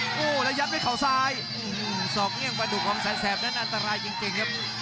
โอ้โหระยับด้วยเขาซ้ายส่องเนี่ยงไปดูกความแสนแทรพนั้นอันตรายจริงครับ